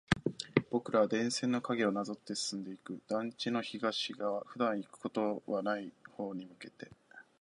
僕らは電線の影をなぞって進んでいく。団地の東側、普段行くことはない方に向けて。